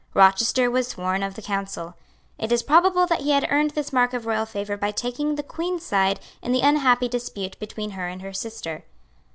Rochester was sworn of the Council. It is probable that he had earned this mark of royal favour by taking the Queen's side in the unhappy dispute between her and her sister.